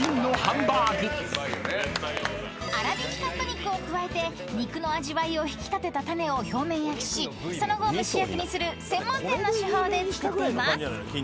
［粗びきカット肉を加えて肉の味わいを引き立てたタネを表面焼きしその後蒸し焼きにする専門店の手法で作っています］